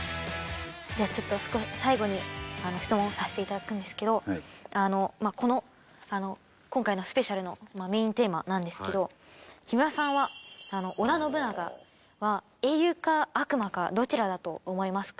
じゃあちょっと最後に質問をさせていただくんですけど。まあこの今回のスペシャルのメインテーマなんですけど木村さんは織田信長は英雄か悪魔かどちらだと思いますか？